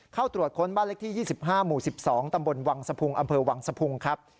เข้าตรวจค้นบ้านเลขที่๒๕หมู่๑๒ตำบลวังสะพุงอำเภอวังสะพุงครับ